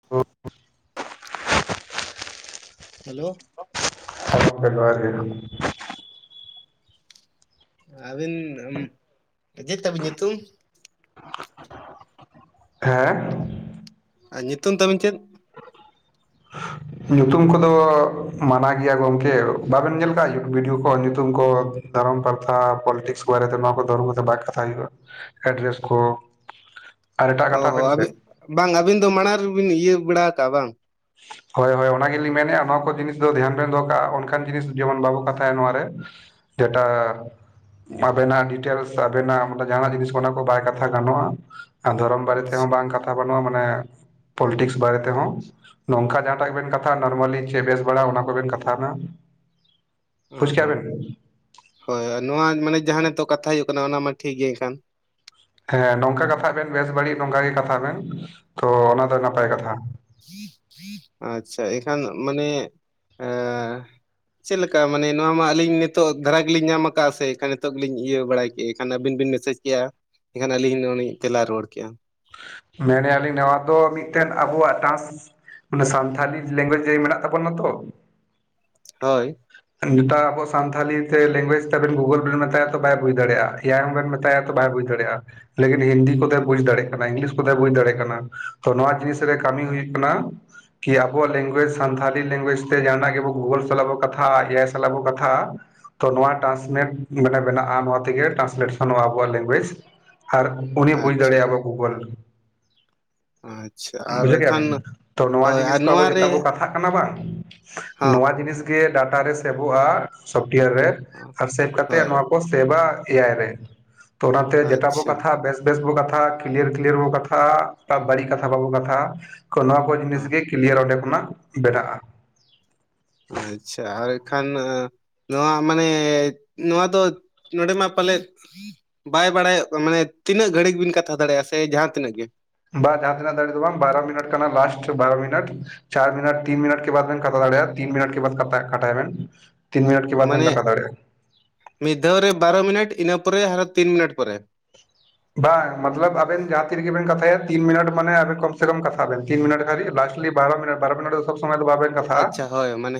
[inaudible] Hello ᱦᱮᱸ ᱜᱚᱢᱠᱮ ᱡᱚᱦᱟᱨ ᱜᱮ᱾ ᱟᱹᱵᱤᱱ ᱪᱮᱫ ᱛᱟᱵᱤᱱ ᱧᱩᱛᱩᱢ? ᱦᱮᱸ ᱧᱩᱛᱩᱢ ᱛᱟᱵᱤᱱ ᱪᱮᱫ? ᱧᱩᱛᱩᱢ ᱠᱚᱫᱚ ᱢᱟᱱᱟ ᱜᱮᱭᱟ ᱜᱚᱝᱠᱮ ᱵᱟᱵᱮᱱ ᱧᱮᱞ ᱠᱟᱜᱼᱟ ᱵᱷᱤᱰᱤᱭᱳ ᱠᱚ ᱧᱩᱛᱩᱢ ᱠᱚ ᱫᱷᱚᱨᱚᱢ ᱯᱨᱟᱨᱛ ᱯᱚᱞᱴᱤᱠᱥ ᱠᱚᱵᱟᱨᱮᱛᱮ ᱱᱚᱣᱟ ᱠᱚ ᱫᱷᱚᱨᱚᱢ ᱵᱟᱭ ᱠᱟᱛᱼᱟ᱾ ᱮᱰᱨᱮᱥ ᱠᱚ ᱟᱨ ᱮᱴᱟᱜ ᱚ ᱠᱟᱛᱷᱟ ᱵᱮᱱ ᱦᱚᱸ ᱥᱮ ᱤᱭᱟ ᱵᱟᱝ ᱟᱹᱵᱤᱱ ᱫᱚ ᱢᱟᱲᱟᱝ ᱨᱮᱵᱤᱱ ᱤᱭᱟᱹ ᱵᱟᱲᱟ ᱟᱠᱟᱜᱼᱟ ᱵᱟᱝ? ᱦᱳᱭ ᱦᱳᱭ ᱚᱱᱟ ᱜᱮᱞᱤᱧ ᱢᱮᱱᱮᱫᱼᱟ ᱱᱚᱣᱟ ᱠᱚ ᱡᱤᱱᱤᱥ ᱫᱚ ᱫᱷᱮᱭᱟᱱ ᱵᱮᱱ ᱫᱚᱦᱚ ᱠᱟᱜᱼᱟ ᱚᱱᱠᱟᱱ ᱡᱤᱱᱤᱥ ᱡᱮᱢᱚᱱ ᱵᱟᱵᱚ ᱠᱟᱛᱷᱟᱭᱟ ᱱᱚᱣᱮ ᱨᱮ᱾ ᱡᱮᱴᱟ ᱟᱵᱮᱱᱟᱜ ᱰᱤᱴᱮᱞᱥ ᱟᱵᱮᱱᱟᱜ ᱡᱟᱦᱟᱱᱟᱜ ᱡᱤᱱᱤᱥ ᱚᱱᱟ ᱠᱚ ᱵᱟᱭ ᱠᱟᱛᱷᱟ ᱜᱟᱱᱚᱜᱼᱟ᱾ ᱫᱷᱚᱨᱚᱢ ᱵᱟᱨᱮ ᱛᱮᱦᱚᱸ ᱟᱪᱪᱷᱟ ᱵᱟᱝ ᱠᱟᱛᱷᱟ ᱵᱟᱹᱱᱩᱜᱼᱟ ᱢᱟᱱᱮ ᱯᱚᱞᱤᱴᱤᱠᱥ ᱵᱟᱨᱮ ᱛᱮᱦᱚᱸ, ᱱᱚᱝᱠᱟ ᱡᱟᱦᱟᱸᱴᱟᱜ ᱜᱮ ᱵᱮᱱ ᱠᱟᱛᱷᱟ ᱱᱚᱨᱢᱟᱞᱤ ᱪᱮᱫ ᱵᱮᱥ ᱵᱟᱲᱟ ᱚᱱᱟ ᱠᱚᱵᱮᱱ ᱠᱟᱛᱷᱟᱭ ᱢᱟ ᱚ ᱵᱩᱡᱽ ᱠᱮᱜᱼᱟ ᱦᱚᱸ ᱵᱮᱱ ᱦᱳᱭ ᱱᱚᱶᱟ ᱢᱟᱱᱮ ᱡᱟᱦᱟᱸ ᱱᱤᱛᱚᱜ ᱠᱟᱛᱷᱟ ᱦᱩᱭᱩᱜ ᱠᱟᱱᱟ ᱚᱱᱟ ᱢᱟ ᱴᱷᱤᱠ ᱜᱮ ᱮᱱᱠᱷᱟᱱ ᱦᱮᱸ ᱱᱚᱝᱠᱟ ᱠᱟᱛᱷᱟᱜ ᱵᱮᱱ ᱵᱮᱥ ᱵᱟᱹᱲᱤᱡ ᱱᱚᱝᱠᱟ ᱜᱮ ᱠᱟᱛᱷᱟᱜ ᱵᱮᱱ ᱛᱚ ᱚᱱᱟ ᱫᱚ ᱠᱟᱛᱷᱟ ᱟᱪᱷᱟ ᱮᱠᱷᱟᱱ ᱢᱟᱱᱮ ᱟ ᱪᱮᱫ ᱞᱮᱠᱟ ᱢᱟᱱᱮ ᱱᱚᱶᱟ ᱢᱟ ᱟᱹᱞᱤᱧ ᱱᱤᱛᱚᱜᱜ ᱫᱷᱟᱨᱟ ᱜᱮᱞᱤᱧ ᱧᱟᱢ ᱟᱠᱫᱼᱟ ᱥᱮ ᱮᱱᱠᱷᱟᱱ ᱱᱤᱛᱚᱜ ᱜᱮᱞᱤᱧ ᱤᱭᱟᱹ ᱵᱟᱲᱟᱭ ᱠᱮᱫᱼᱟ ᱮᱱᱠᱷᱟᱱ ᱟᱹᱵᱤᱱ ᱵᱤᱱ ᱢᱮᱥᱮᱡᱽ ᱠᱮᱭᱟ ᱮᱱᱠᱷᱟᱱ ᱟᱹᱞᱤᱧ ᱫᱚᱞᱤᱧ ᱛᱮᱞᱟ ᱨᱩᱣᱟᱹᱲ ᱠᱮᱭᱟ ᱢᱮᱱᱮᱜᱟ. ᱞᱤᱧ ᱱᱚᱶᱟ ᱫᱚ ᱢᱤᱫᱴᱮᱱ ᱟᱵᱚᱣᱟᱜ ᱴᱟᱥ ᱢᱟᱱᱮ ᱥᱟᱱᱛᱷᱟᱞᱤ ᱞᱮᱝᱜᱩᱭᱮᱡᱽ ᱡᱮ ᱢᱮᱱᱟᱜ ᱛᱟᱵᱚᱱᱟ ᱛᱚ ᱦᱳᱭ ᱱᱤᱛᱟᱜ ᱟᱵᱚ ᱥᱟᱱᱛᱷᱟᱤ ᱛᱮ ᱞᱮᱝᱜᱩᱭᱮᱡ ᱛᱮᱵᱮᱱ ᱜᱩᱜᱟ. ᱞ ᱵᱮᱱ ᱢᱮᱛᱟᱭᱟ ᱛᱚ ᱵᱟᱭ ᱵᱩᱡᱽ ᱫᱟᱲᱮᱭᱟᱜᱼᱟ ᱮᱭᱟᱭ ᱦᱚᱸᱵᱮᱱ ᱢᱮᱛᱟᱭᱟ ᱛᱚ ᱵᱟᱭ ᱵᱩᱡᱽ ᱫᱟᱲᱮᱭᱟᱜᱼᱟ ᱞᱮᱠᱤᱱ ᱦᱤᱱᱫᱤ ᱠᱚᱛᱮᱮ ᱵᱩᱡᱽ ᱫᱟᱲᱮᱭᱟᱜ ᱠᱟᱱᱟ ᱤᱝᱞᱤᱥ ᱠᱚᱛᱮ ᱵᱩᱡᱽ ᱫᱟᱲᱮᱭᱟᱜ ᱠᱟᱱᱟ ᱛᱚ ᱱᱚᱶᱟ ᱡᱤᱱᱤᱥ ᱨᱮ ᱠᱟᱹᱢᱤ ᱦᱩᱭᱩᱜ ᱠᱟᱱᱟ ᱠᱤ ᱟᱵᱚᱣᱟᱜ ᱞᱮᱝᱜᱩᱭᱮᱡ ᱥᱟᱱᱛᱷᱟᱤ ᱞᱮᱝᱜᱩᱭᱮᱡ ᱛᱮ ᱡᱟᱦᱱᱟᱜ ᱜᱮᱵᱚ ᱜᱩᱜᱚᱞ ᱥᱟᱞᱟᱜ ᱵᱟᱱ ᱠᱟᱛᱷᱟᱭ ᱮ ᱟᱭ ᱥᱟᱞᱟᱜ ᱵᱚ ᱠᱟᱛᱷᱟ ᱛᱚ ᱱᱚᱶᱟ ᱴᱨᱟᱱᱥᱱᱮᱴ ᱢᱟᱱᱮ ᱵᱮᱱᱟᱜᱼᱟ ᱱᱚᱶᱟ ᱛᱮᱜᱮ ᱴᱨᱟᱱᱥᱞᱮᱥᱚᱱᱚᱜᱼᱟ ᱟᱵᱚᱣᱟᱜ ᱞᱮᱝᱜᱩᱭᱮᱡ ᱟᱨ ᱩᱱᱤ ᱵᱩᱡᱽ ᱟᱪᱪᱷᱟ ᱫᱟᱲᱮᱭᱟᱜᱼᱟ ᱟᱵᱚᱣᱟᱜ ᱜᱩᱜᱟ. ᱞ᱾ ᱟᱪᱪᱷᱟ ᱟᱨ ᱵᱩᱡᱷᱟᱹᱣ ᱠᱮᱫᱼᱟ ᱮᱱᱠᱷᱟᱱ ᱵᱮᱱ ᱛᱚ ᱱᱚᱶᱟ ᱦᱳᱭ ᱟᱨ ᱡᱤᱱᱤᱥ ᱠᱚ ᱟᱵᱚ ᱱᱚᱣᱟ ᱡᱮᱛᱟ ᱨᱮ ᱵᱚᱸ ᱠᱟᱛᱷᱟᱜ ᱠᱟᱱᱟ ᱵᱟᱝ ᱦᱚᱸ ᱱᱚᱶᱟ ᱡᱤᱱᱤᱥ ᱜᱮ ᱰᱟᱴᱟ ᱨᱮ ᱥᱮᱵᱷᱚᱜᱼᱟ ᱥᱚᱯᱴᱣᱮᱭᱟᱨ ᱨᱮ ᱟᱨ ᱥᱮᱵ ᱠᱟᱛᱮ ᱦᱳᱭ ᱱᱚᱶᱟ ᱠᱚ ᱥᱮᱵᱟ ᱮᱭᱟᱭ ᱨᱮ ᱛᱚ ᱚᱱᱟᱛᱮ ᱡᱮᱴᱟ ᱵᱚ ᱟᱪᱪᱷᱟ ᱠᱟᱛᱷᱟ ᱵᱮᱥ ᱵᱮᱥ ᱵᱚ ᱠᱟᱛᱷᱟ ᱠᱤᱞᱭᱟᱨ ᱠᱤᱞᱭᱟᱨ ᱵᱚ ᱠᱟᱛᱷᱟᱼᱟ ᱛᱟᱵ ᱵᱟᱹᱲᱤᱡ ᱠᱟᱛᱷᱟ ᱵᱟᱵᱚᱱ ᱠᱟᱛᱷᱟᱼᱟ ᱛᱚ ᱱᱚᱶᱟ ᱠᱚ ᱡᱤᱱᱤᱥ ᱜᱮ ᱦᱚᱸ ᱠᱤᱞᱭᱟᱨ ᱚᱸᱰᱮ ᱠᱷᱚᱱᱟᱜ ᱵᱮᱱᱟᱜ-ᱟ᱾ ᱟᱪᱷᱟ ᱟᱨ ᱠᱷᱟᱱ ᱱᱚᱶᱟ ᱢᱟᱱᱮ ᱱᱚᱶᱟ ᱫᱚ ᱱᱚᱸᱰᱮ ᱢᱟ ᱯᱟᱞᱮ ᱵᱟᱭ ᱵᱟᱲᱟᱭᱚᱜ ᱠᱟᱱᱟ ᱢᱟᱱᱮ ᱛᱤᱱᱟᱹᱜ ᱜᱷᱟᱹᱲᱤᱠ ᱵᱤᱱ ᱠᱟᱛᱷᱟ ᱫᱟᱲᱮᱭᱟᱜᱼᱟ ᱥᱮ ᱡᱟᱦᱟᱸ ᱛᱤᱱᱟᱹᱜ ᱜᱮ ᱵᱟ ᱡᱟᱦᱟᱸ ᱛᱤᱱᱟᱜ ᱫᱷᱟ. ᱨᱤᱡ ᱫᱚ ᱵᱟᱝ ᱵᱟᱨᱟ ᱢᱤᱱᱟ. ᱴ ᱠᱟᱱᱟ ᱞᱟᱥᱴ ᱵᱟᱨᱚ ᱢᱤᱱᱟ. ᱴ ᱪᱟᱨ ᱢᱤᱱᱟ. ᱴ ᱛᱤᱱ ᱢᱤᱱᱟ. ᱴ ᱠᱮ ᱵᱟᱫ ᱵᱮᱱ ᱠᱟᱛᱷᱟ ᱫᱟᱲᱮᱭᱟᱜᱼᱟ ᱛᱤᱱ ᱢᱤᱱᱴ ᱠᱟᱛᱮᱜ ᱠᱟᱴᱟᱭ ᱵᱮᱱ᱾ ᱛᱤᱱ ᱢᱤᱱᱟᱴ ᱠᱮ ᱵᱟᱫ ᱵᱮᱱ ᱢᱟᱱᱮ ᱠᱟᱴᱟ ᱫᱟᱲᱭᱟᱜᱼᱟ᱾ ᱢᱤᱫ ᱫᱷᱟᱣ ᱨᱮ ᱵᱟᱨᱚ ᱢᱤᱱᱟ. ᱴ ᱤᱱᱟᱹ ᱯᱚᱨᱮ ᱟᱨᱦᱚᱸ ᱛᱤᱱ ᱢᱤᱱᱟ. ᱴ ᱯᱚᱨᱮ ᱵᱟᱝ ᱢᱟᱛᱞᱟᱵ ᱟᱵᱮᱱ ᱡᱟᱦᱟᱸ ᱛᱤᱨᱤᱜᱮ ᱵᱮᱱ ᱠᱟᱛᱷᱟᱭᱟ ᱛᱤᱱ ᱢᱤᱱᱟ. ᱴ ᱢᱟᱱᱮ ᱟᱵᱮᱱ ᱠᱚᱢ ᱥᱮ ᱠᱚᱢ ᱠᱟᱛᱷᱟ ᱵᱮᱱ ᱛᱤᱱ ᱢᱤᱱᱟ. ᱴ ᱫᱷᱟᱤᱡ ᱞᱟᱥᱴ ᱠᱷᱟ. ᱞᱤ ᱵᱟᱨᱚ ᱢᱤᱱᱟ. ᱴ ᱵᱟᱨᱚ ᱢᱤᱱᱟ. ᱴ ᱫᱚ ᱥᱚᱵ ᱥᱚᱢᱚᱭ ᱫᱚ ᱵᱟᱵᱮᱱ ᱠᱟᱛᱷᱟᱜᱼᱟ ᱟᱪᱪᱷᱟ ᱦᱳᱭ ᱢᱟᱱᱮ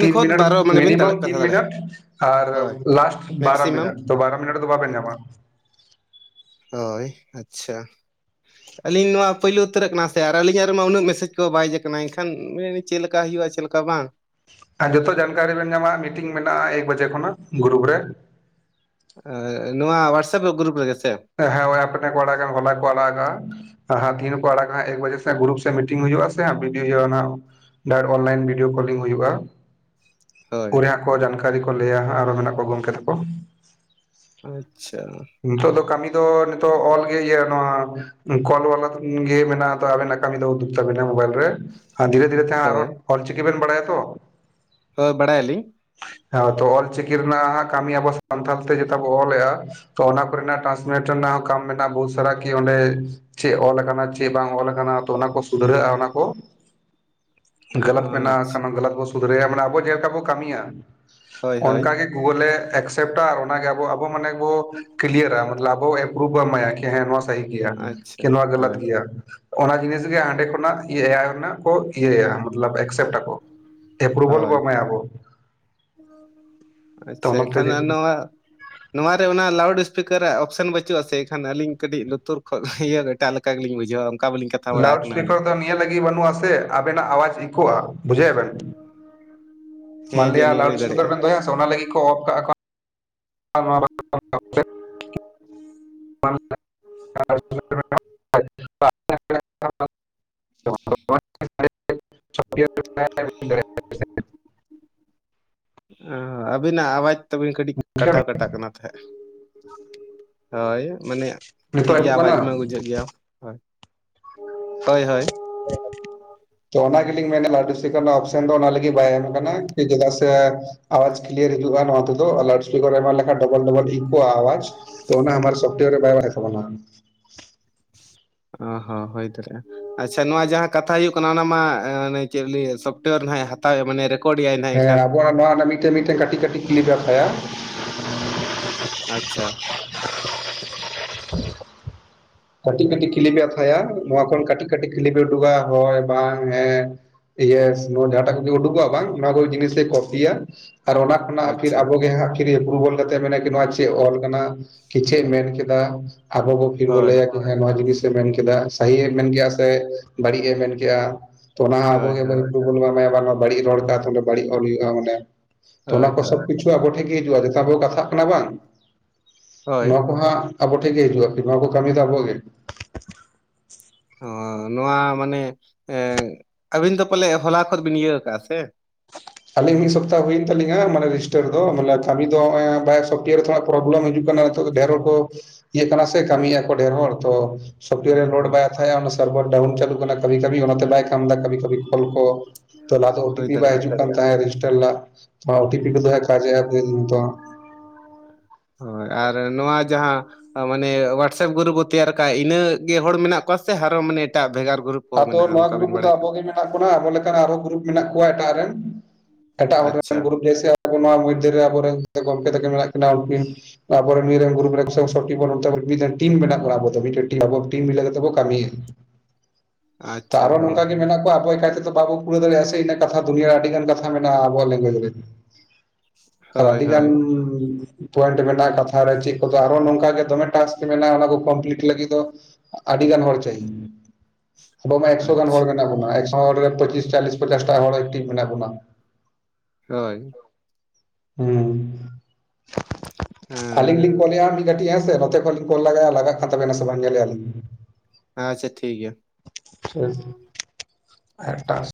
ᱛᱤᱱ ᱠᱷᱚᱱ ᱢᱤᱱᱟ. ᱴ ᱵᱟᱨᱚ ᱢᱟᱱᱮ ᱵᱤᱱ ᱢᱤᱱᱤᱢᱟ. ᱫᱟᱲᱮ ᱢ ᱠᱟᱛᱷᱟ ᱛᱤᱱ ᱢᱤᱱᱟ. ᱫᱟᱲᱮᱭᱟᱜᱼᱟ ᱴ ᱟᱨ ᱦᱳᱭ ᱞᱟᱥᱴ ᱵᱟᱨᱟ ᱢᱮᱠᱥᱤᱢᱟᱢ ᱢᱤᱱᱟ. ᱴ ᱛᱚ ᱵᱟᱨᱟ ᱢᱤᱱᱟ. ᱴ ᱫᱚ ᱵᱟᱵᱮᱱ ᱧᱟᱢᱟ᱾ ᱦᱚᱭ ᱟᱪᱷᱟ ᱟᱹᱞᱤᱧ ᱱᱚᱶᱟ ᱯᱳᱭᱞᱩ ᱩᱛᱟᱹᱨᱟᱜ ᱠᱟᱱᱟ ᱥᱮ ᱟᱨ ᱟᱹᱞᱤᱧᱟᱜ ᱨᱮᱢᱟ ᱩᱱᱟᱹᱜ ᱢᱮᱥᱮᱡᱽ ᱠᱚ ᱵᱟᱭ ᱦᱮᱡ ᱠᱟᱱᱟᱭ ᱮᱱᱠᱷᱟᱱ ᱢᱮᱱᱤᱧ ᱪᱮᱫ ᱞᱮᱠᱟ ᱦᱩᱭᱩᱜᱼᱟ ᱪᱮᱫ ᱞᱮᱠᱟ ᱵᱟᱝ ᱟᱨ ᱡᱚᱛᱚ ᱡᱟᱱᱠᱟᱨᱤ ᱵᱮᱱ ᱧᱟᱢᱟ ᱢᱤᱴᱤᱝ ᱢᱮᱱᱟᱜᱼᱟ ᱮᱠ ᱵᱟᱡᱮ ᱠᱷᱚᱱᱟᱜ ᱜᱩᱨᱩᱯ ᱨᱮ᱾ ᱱᱚᱶᱟ ᱣᱟᱴᱥᱮᱯ ᱫᱚ ᱜᱩᱨᱩᱯ ᱨᱮᱜᱮ ᱥᱮ ᱦᱮᱸ ᱦᱚᱭ ᱟᱯᱮ ᱴᱷᱮᱱ ᱠᱚ ᱟᱲᱟᱜᱟ ᱟᱠᱟᱫᱼᱟ ᱦᱚᱞᱟ ᱜᱮᱠᱚ ᱟᱲᱟᱜ ᱟᱠᱟᱫᱼᱟ ᱦᱟ ᱛᱤᱨᱮ ᱠᱚ ᱟᱲᱟᱜ ᱦᱟᱹ ᱮᱠ ᱵᱟᱡᱮ ᱥᱮᱡ ᱜᱩᱨᱩᱯ ᱥᱮ ᱢᱤᱴᱤᱝ ᱦᱩᱭᱩᱜᱼᱟ ᱥᱮ ᱵᱤᱰᱤ ᱤᱣᱟᱹ ᱚᱱᱟᱼᱼ ᱰᱟᱭᱨᱮᱴ ᱚᱱᱞᱟᱭᱤᱱ ᱵᱷᱤᱰᱭᱳ ᱠᱚᱞᱤᱝ ᱦᱩᱭᱩᱜᱼᱟ᱾ ᱦᱳᱭ ᱩᱱ ᱠᱚ ᱡᱟᱱᱠᱟᱨᱤ ᱠᱚ ᱞᱟᱹᱭᱟ ᱟᱨᱚ ᱢᱮᱱᱟᱜ ᱠᱚᱣᱟ ᱜᱚᱢᱠᱮ ᱛᱟᱠᱚ᱾ ᱟᱪᱪᱷᱟ᱾ ᱱᱤᱛᱚᱜ ᱫᱚ ᱠᱟᱹᱢᱤ ᱫᱚ ᱱᱤᱛᱚᱜ ᱚᱞ ᱜᱮ ᱤᱭᱟᱹ ᱱᱚᱣᱟᱼᱼ ᱠᱚᱞ ᱵᱟᱞᱟ ᱜᱮ ᱢᱮᱱᱟᱜᱼᱟ ᱟᱵᱮᱱᱟᱜ ᱠᱟᱹᱢᱤ ᱫᱚ ᱩᱫᱩᱜ ᱛᱟᱵᱮᱱᱟ ᱢᱳᱵᱟᱭᱤᱞ ᱨᱮ [unintelligible] ᱦᱳᱭ [unintelligible] ᱚᱞ ᱪᱤᱠᱤ ᱵᱮᱱ ᱵᱟᱲᱟᱭᱟ ᱛᱚ ᱦᱳᱭ ᱵᱟᱲᱟ ᱭᱟᱞᱤᱧ᱾ ᱦᱮᱸ ᱛᱚ ᱚᱞᱪᱤᱠᱤ ᱨᱮᱱᱟᱜ ᱠᱟᱹᱢᱤ ᱟᱵᱚ ᱥᱟᱱᱛᱟᱲ ᱛᱮ ᱡᱮᱴᱟ ᱵᱚ ᱚᱞᱮᱼᱟ᱾ ᱛᱚ ᱚᱱᱟ ᱠᱚᱨᱮ ᱱᱟᱜ ᱴᱨᱟᱱᱥᱢᱮᱥᱚᱱ ᱨᱮᱱᱟᱜ ᱦᱚᱸ ᱠᱟᱢ ᱢᱮᱱᱟᱜᱼᱟ ᱵᱚᱦᱩᱛ ᱥᱟᱨᱟ ᱠᱤ ᱚᱸᱰᱮᱼᱼ ᱪᱮᱫ ᱚᱞ ᱟᱠᱟᱱᱟ ᱪᱮᱫ ᱵᱟᱝ ᱚᱞ ᱟᱠᱟᱱᱟ ᱛᱚ ᱚᱱᱟ ᱠᱚ ᱥᱩᱫᱷᱨᱟᱹᱜᱼᱟ ᱚᱱᱟ ᱠᱚ, ᱜᱞᱚᱛ ᱢᱮᱱᱟᱜᱼᱟ ᱟᱪᱪᱷᱟ ᱠ ᱜᱞᱚᱛ ᱵᱚᱱ ᱥᱩᱫᱷᱨᱟᱹᱭᱟ ᱢᱟᱱᱮ ᱟᱵᱚ ᱡᱮᱞᱮᱠᱟ ᱵᱚ ᱠᱟᱹᱢᱤᱭᱟᱼᱼ ᱦᱳᱭ ᱦᱳᱭ ᱚᱱᱠᱟᱜᱮ ᱜᱩᱜᱳᱩᱞᱮ ᱮᱠᱥᱮᱯ ᱴᱟ ᱟᱨ ᱚᱱᱟᱜᱮ ᱟᱵᱚ ᱟᱵᱚ ᱢᱟᱱᱮ ᱵᱚᱼᱼ [unintelligible] ᱟᱵᱚ ᱮᱯᱨᱩᱵᱷ ᱵᱚ ᱮᱢᱟᱭᱟ ᱦᱮᱸ ᱱᱚᱣᱟ ᱥᱟᱦᱤ ᱜᱮᱭᱟ ᱟᱪᱪᱷᱟ ᱱᱚᱣᱟ ᱜᱟᱞᱟᱛ ᱦᱳᱭ ᱜᱮᱭᱟ ᱦᱳᱭ ᱚᱱᱟ ᱡᱤᱱᱤᱥ ᱜᱮ ᱦᱟᱸᱰᱮ ᱠᱷᱚᱱᱟᱜ [unintelligible] ᱤᱭᱟᱹᱭᱟ ᱢᱟᱛᱞᱟᱵ ᱮᱠᱥᱮᱯᱴᱟᱠᱚ ᱮᱯᱨᱩᱵᱮᱞ ᱵᱚ ᱦᱳᱭ ᱮᱢᱟᱭᱟ ᱚᱵᱚ ᱟᱪᱪᱷᱟ ᱮᱠᱷᱟᱱᱟ ᱱᱚᱣᱟ ᱱᱚᱣᱟ ᱨᱮ ᱚᱱᱟ ᱞᱟᱣᱩᱰ ᱤᱥᱯᱤᱠᱟᱨ ᱚᱯᱥᱮᱱ ᱵᱟᱹᱩᱜ ᱟ ᱥᱮ ᱮᱱᱠᱷᱟᱱ ᱟᱹᱞᱤᱧ ᱠᱟᱹᱴᱤᱡ ᱞᱩᱛᱩᱨ ᱠᱷᱚᱱ ᱤᱭᱟᱹ ᱮᱴᱟᱜ ᱞᱮᱠᱟ ᱜᱮᱞᱤᱧ ᱵᱩᱡᱷᱟᱹᱣᱟ ᱚᱱᱠᱟ ᱵᱟᱹᱞᱤᱧ ᱠᱟᱛᱷᱟ ᱵᱟᱲᱟ ᱞᱟᱣᱩᱰ ᱟᱠᱟᱱᱟ ᱩᱱᱟᱹᱜ ᱤᱥᱯᱤᱠᱟᱨ ᱫᱚ ᱱᱤᱭᱟᱹ ᱞᱟᱹᱜᱤᱫ ᱵᱟᱹᱱᱩᱜ ᱟᱥᱮ ᱟᱵᱮᱱᱟᱜ ᱟᱣᱟᱡᱽ [unintelligible] ᱵᱩᱡᱷᱟᱹᱣ ᱵᱮᱱ ᱦᱮᱸ ᱢᱟᱱᱞᱤᱭᱟ ᱡᱟᱹᱱᱤᱡ ᱞᱟᱣᱩᱰ ᱦᱩᱭ ᱤᱥᱯᱤᱠᱟᱨ ᱫᱟᱲᱮᱭᱟᱜᱼᱟ ᱵᱮᱱ ᱫᱚᱦᱚᱭᱟ ᱥᱮ ᱚᱱᱟ ᱞᱟᱹᱜᱤᱫ ᱠᱚ ᱚᱯᱷ ᱠᱟ ᱟ ᱠᱚ [unintelligible] [unintelligible] [inaudible] [unintelligible] ᱚ ᱟᱹᱵᱤᱱᱟᱜ ᱟᱣᱟᱡ ᱛᱟᱵᱤᱱ ᱠᱟᱹᱴᱤᱡ ᱠᱟᱴᱟᱣ ᱠᱟᱴᱟᱜ ᱠᱟᱱᱟ ᱛᱟᱦᱮᱸᱫ ᱦᱳᱭ ᱢᱟᱱᱮ ᱴᱷᱤᱠ ᱱᱤᱛᱚᱜ ᱜᱮᱭᱟ ᱮᱢᱚᱜ ᱟᱣᱟᱡ ᱠᱟᱱᱟ ᱢᱟ ᱵᱩᱡᱷᱟᱹᱜ ᱜᱮᱭᱟ ᱦᱳᱭ ᱦᱳᱭ ᱛᱚ ᱚᱱᱟ ᱜᱮᱞᱤᱧ ᱢᱮᱱᱟ [unintelligible] ᱨᱮᱱᱟᱜ ᱚᱯᱥᱮᱱ ᱫᱚ ᱚᱱᱟ ᱞᱟᱹᱜᱤᱫ ᱵᱟᱭ ᱮᱢ ᱟᱠᱟᱱᱟ ᱪᱮᱫᱟᱜ ᱥᱮ ᱟᱭᱟᱡ ᱠᱤᱭᱟᱨ ᱦᱤᱡᱩᱜᱼᱟ ᱱᱚᱭᱟ ᱛᱮᱫᱚ ᱟᱨ ᱞᱟᱣᱩᱰ ᱤᱯᱤᱠᱟᱨ ᱮᱢᱟ ᱞᱮᱠᱷᱟᱱ ᱰᱚᱵᱚᱞ ᱰᱚᱵᱚᱠ ᱤᱠᱳᱟ ᱟᱭᱟᱡ ᱛᱚ ᱚᱱᱟ ᱟᱵᱟᱨ ᱥᱚᱯᱴᱚᱭᱟᱨ ᱵᱟᱭ ᱨᱟᱠᱟᱵᱚ -ᱟ ᱚ ᱦᱚᱸ ᱦᱳᱭ ᱫᱟᱲᱮᱟ ᱟᱪᱪᱷᱟ ᱱᱚᱣᱟ ᱡᱟᱦᱟᱸ ᱠᱟᱛᱷᱟ ᱦᱩᱭᱩᱜ ᱠᱟᱱᱟ ᱚᱱᱟ ᱢᱟ ᱪᱮᱫ ᱞᱟᱹᱭᱟ ᱥᱚᱯᱷᱴᱚᱭᱟᱨ ᱱᱟᱦᱟᱜ ᱦᱟᱛᱟᱣᱮᱫ ᱢᱟᱱᱮ ᱨᱮᱠᱚᱨᱰ ᱮᱟᱭ ᱱᱟᱦᱟᱜ ᱦᱮᱸ ᱮᱱᱠᱷᱟᱱ ᱟᱵᱚᱭᱟᱜ ᱱᱚᱣᱟ ᱨᱮᱱᱟᱜ ᱢᱤᱫᱴᱮ ᱢᱤᱫᱴᱮ ᱠᱟᱹᱴᱤᱡ ᱠᱟᱹᱴᱤᱡ ᱠᱞᱤᱯᱮ ᱦᱟᱛᱟᱭᱟ [inaudible] ᱟᱪᱪᱷᱟ ᱠᱟᱹᱴᱤᱡ ᱠᱟᱹᱴᱤᱡ ᱠᱤᱞᱤᱯ ᱮ ᱦᱟᱛᱷᱟᱭᱟ ᱱᱚᱣᱟ ᱠᱷᱚᱱ ᱠᱟᱹᱴᱤᱡ ᱠᱟᱹᱴᱤᱡ ᱠᱷᱤᱞᱤᱯᱮ ᱩᱰᱩᱠᱟ ᱦᱚᱳᱭ ᱵᱟᱝ ᱦᱮᱸ ᱤᱭᱮᱥ [unintelligible] ᱡᱟᱦᱟᱴᱟ ᱠᱚ ᱜᱮ ᱩᱰᱩᱠᱚ-ᱟ ᱵᱟᱝ ᱚᱱᱟ ᱠᱚ ᱡᱤᱱᱤᱥ ᱮ ᱠᱚᱯᱤᱭᱟ ᱟᱨ ᱚᱱᱟ ᱠᱷᱚᱱᱟᱜ ᱯᱷᱤᱨ ᱟᱪᱪᱷᱟ ᱟᱵᱚᱜᱮ ᱦᱟᱸᱜ ᱮᱯᱨᱩᱵᱚᱞ ᱠᱟᱛᱮ ᱢᱮᱱᱟ ᱠᱤ ᱱᱚᱣᱟ ᱪᱮᱫ ᱚᱞ ᱟᱠᱟᱱᱟᱤ ᱪᱮᱫ ᱮ ᱢᱮᱱ ᱠᱮᱫᱟ ᱟᱵᱚ ᱵᱚ ᱯᱷᱤᱨ ᱵᱚ ᱦᱳᱭ ᱞᱟᱹᱭᱟ ᱦᱮᱸ ᱱᱚᱣᱟ ᱡᱤᱱᱤᱥᱮ ᱢᱮᱱ ᱠᱮᱫᱟ ᱥᱟᱹᱦᱤᱭᱮ ᱢᱮᱱᱠᱼᱟ ᱥᱮ ᱵᱟᱹᱲᱤᱡ ᱮ ᱢᱮᱱ ᱠᱮᱜᱼᱟ ᱛᱚ ᱚᱱᱟ ᱟᱵᱚ ᱦᱳᱭ ᱜᱮ ᱦᱳᱭ ᱮᱯᱷᱩᱴᱵᱚᱞ ᱮᱢᱟᱭᱟ ᱵᱟᱹᱲᱤᱡ ᱨᱚᱲ ᱵᱟᱹᱲᱤᱡ ᱚᱞ ᱦᱩᱭᱩᱜᱼᱟ ᱢᱟᱱᱮ ᱛᱚ ᱚᱱᱟ ᱦᱳᱭ ᱠᱚ ᱥᱚᱵ ᱦᱳᱭ ᱠᱤᱪᱷᱩ ᱟᱵᱚ ᱴᱷᱮᱱ ᱜᱮ ᱦᱤᱡᱩᱜᱼᱟ ᱡᱮᱛᱟ ᱵᱚ ᱠᱟᱛᱷᱟᱜ ᱠᱟᱱᱟ ᱵᱟᱝ ᱱᱚᱣᱟ ᱦᱳᱭ ᱠᱚ ᱦᱟᱸᱜ ᱟᱵᱚ ᱴᱷᱮᱡ ᱦᱤᱡᱩᱜ ᱟ ᱱᱚᱭᱟ ᱠᱚ ᱠᱟᱹᱢᱤ ᱫᱚ ᱟᱵᱚᱭᱟᱜ ᱜᱮ ᱦᱚᱸ ᱱᱚᱣᱟ ᱢᱟᱱᱮ ᱟᱹᱵᱤᱱ ᱫᱚ ᱯᱟᱞᱮ ᱦᱚᱞᱟ ᱠᱷᱚᱱ ᱵᱤᱱ ᱤᱭᱟᱹ ᱠᱟᱜᱼᱟ ᱥᱮ ᱟᱞᱤᱧ ᱢᱤᱫ ᱥᱚᱯᱛᱟᱦ ᱦᱩᱭᱮᱱ ᱛᱟᱞᱤᱧᱟ ᱢᱟᱱᱮ ᱨᱮᱡᱤᱥᱴᱟᱨ ᱫᱚ ᱠᱟᱹᱢᱤ ᱫᱚ [inaudible] ᱥᱚᱯᱨᱤᱭᱚ ᱨᱮ ᱛᱷᱚᱲᱚ ᱯᱨᱚᱵᱞᱮᱢ ᱦᱤᱡᱩᱜ ᱠᱟᱱᱟ ᱱᱤᱛᱚᱜ ᱫᱚ ᱰᱷᱮᱨ ᱦᱚᱲ ᱠᱚ ᱤᱭᱟᱹᱜ ᱠᱟᱱᱟ ᱥᱮ ᱠᱟᱹᱢᱤᱭᱮᱜᱼᱟ ᱠᱚ ᱰᱷᱮᱨ ᱦᱚᱲ ᱛᱚ ᱚ ᱥᱚᱯᱴᱴᱚᱭᱟᱨ ᱨᱮ ᱞᱳᱰ ᱦᱚᱸ ᱵᱟᱭ ᱦᱟᱛᱟᱭᱮᱜᱼᱟ ᱚᱱᱟ ᱥᱟᱨᱵᱷᱟᱨ ᱰᱟᱣᱩᱱ ᱪᱟᱹᱞᱩ ᱠᱟᱱᱟ ᱠᱟᱹᱵᱷᱤ ᱠᱟᱹᱵᱷᱤ ᱚᱱᱟᱛᱮ ᱵᱟᱭ ᱠᱟᱢ ᱮᱫᱟ ᱠᱟᱹᱵᱷᱤ ᱠᱟᱹᱵᱷᱤ ᱠᱚᱞ ᱠᱚ ᱛᱚ ᱞᱟᱦᱟ ᱫᱚ ᱦᱩᱭ ᱳᱴᱤᱯᱤ ᱵᱟᱭ ᱫᱟᱲᱮᱭᱟᱜᱼᱟ ᱦᱤᱡᱩᱜ ᱠᱟᱱ ᱛᱟᱸᱦᱮ ᱨᱮᱡᱤᱥᱴᱟᱨ ᱞᱟᱜ ᱳᱴᱤᱯᱤ ᱠᱚᱫᱚ ᱠᱟᱡᱮᱜ ᱟᱭ [unintelligible] ᱦᱳᱭ ᱟᱨ ᱱᱚᱣᱟ ᱡᱟᱦᱟᱸ ᱢᱟᱱᱮ ᱦᱳᱣᱟᱴᱥᱮᱯ ᱜᱩᱨᱩᱯ ᱵᱚ ᱛᱮᱭᱟᱨ ᱠᱟᱜᱼᱟ ᱤᱱᱟᱹᱜ ᱜᱮ ᱦᱚᱲ ᱢᱮᱱᱟᱜ ᱠᱚᱣᱟ ᱥᱮ ᱟᱨᱚ ᱢᱟᱱᱮ ᱮᱴᱟᱜ ᱵᱷᱮᱜᱟᱨ ᱜᱩᱨᱩᱯ ᱟᱫᱚ ᱱᱚᱣᱟ ᱜᱨᱩᱯ ᱨᱮᱫᱚ ᱟᱵᱚ ᱜᱮ ᱢᱮᱱᱟᱜ ᱵᱚᱱᱟ ᱟᱵᱚ ᱞᱮᱠᱟᱱ ᱟᱨᱚ ᱜᱨᱩᱯ ᱢᱮᱱᱟᱜ ᱠᱚᱣᱟ ᱮᱴᱟᱜ ᱨᱮᱱ ᱮᱴᱟᱜ ᱦᱚᱲ ᱟᱪᱪᱷᱟ ᱨᱮᱱ ᱜᱨᱩᱯ ᱡᱮᱭᱥᱮ ᱟᱚ ᱱᱚᱣᱟ ᱢᱚᱫᱽᱫᱷᱮ ᱨᱮ ᱟᱵᱚᱨᱮᱱ ᱜᱚᱢᱠᱮ ᱛᱟᱠᱤᱱ ᱢᱮᱱᱟᱜ ᱠᱤᱱᱟ ᱩᱱᱠᱤᱱ ᱛᱟᱯᱚᱨ ᱱᱤᱭᱟᱹ ᱨᱮᱱ ᱜᱩᱨᱩ [unintelligible] ᱴᱤᱢ ᱢᱮᱱᱟᱜ ᱵᱩᱱᱟ ᱟᱵᱚ ᱫᱚ ᱢᱤᱫᱴᱮᱱ ᱴᱤᱢ ᱟᱵᱟ ᱴᱤᱡ ᱢᱤᱞᱟᱹ ᱠᱟᱛᱮ ᱵᱚ ᱠᱟᱹᱢᱚ ᱛᱟ ᱟᱪᱪᱷᱟ ᱟᱨᱟ ᱦᱳᱭ ᱱᱚᱝᱠᱟ ᱜᱮ ᱦᱳᱭ ᱢᱮᱱᱟᱜ ᱠᱚᱣᱟ ᱟᱵᱚ [unintelligible] ᱵᱟᱵᱚᱱ ᱯᱩᱨᱟᱹᱣ ᱫᱟᱲᱮᱭᱟᱜᱼᱟ ᱥᱮ ᱤᱱᱟᱹ ᱠᱟᱛᱷᱟ ᱫᱩᱱᱭᱟᱹ ᱟᱹᱰᱤᱜᱟᱱ ᱠᱟᱛᱷᱟ ᱢᱮᱱᱟᱜᱼᱟ ᱟᱵᱚᱣᱟᱜ ᱞᱮᱝᱜᱩᱭᱮᱡᱽ ᱨᱮ ᱦᱳᱭ ᱟᱵᱤ ᱜᱟᱱ ᱦᱳᱭ ᱯᱚᱭᱮᱱᱴ ᱢᱮᱱᱟᱜᱼᱟ ᱠᱟᱛᱷᱟ ᱨᱮ ᱪᱮᱫ ᱠᱚᱫᱚ ᱟᱨᱚ ᱱᱚᱝᱠᱟᱜ ᱫᱚᱢᱮ ᱴᱟᱥᱠ ᱢᱮᱱᱟᱜᱼᱟ ᱚᱱᱟ ᱠᱚ ᱠᱚᱢᱯᱞᱤᱴ ᱞᱟᱹᱜᱤᱫ ᱫᱚ ᱟᱹᱰᱤᱜᱟᱱ ᱦᱚᱲ ᱪᱟᱭ ᱟᱵᱚ ᱢᱟ ᱮᱠᱥᱚ ᱜᱟᱱ ᱦᱚᱲ ᱟᱪᱪᱷᱟ ᱢᱮᱱᱟᱜ ᱵᱚᱱᱟ ᱮᱠᱥᱚ ᱦᱚᱲ ᱨᱮ ᱯᱚᱸᱪᱤᱥ ᱪᱟᱞᱞᱤᱥ ᱯᱚᱪᱟᱥ ᱴᱟ ᱦᱚᱲ ᱮᱠᱴᱤᱵᱷ ᱢᱮᱱᱟᱜ ᱵᱚᱱᱟ ᱦᱳᱭ ᱦᱮᱸ ᱟᱹᱞᱤᱧ ᱦᱮᱸ ᱞᱤᱧ ᱠᱚᱞᱭᱟ ᱠᱟᱹᱴᱤᱡ ᱦᱮᱸᱥᱮ ᱱᱚᱛᱮ ᱠᱷᱚᱱ ᱞᱤᱝ ᱠᱳᱞ ᱞᱟᱜᱟᱭᱼᱟ ᱞᱟᱜᱟᱜ ᱛᱟᱵᱮᱱᱟ ᱥᱮ ᱵᱟᱝ ᱧᱮᱞᱮᱭᱟᱹᱞᱤᱧ ᱟᱪᱷᱟ ᱴᱷᱤᱠ ᱜᱤᱭᱟ ᱦᱮᱸ ᱮᱴᱟᱥ [unintelligible]